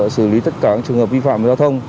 sử lý tất cả trường hợp vi phạm giao thông